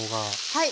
はい。